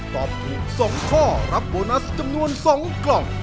ตอบถูก๒ข้อรับโบนัสจำนวน๒กล่อง